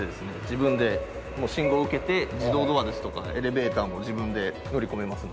自分で信号を受けて自動ドアですとかエレベーターも自分で乗り込めますので。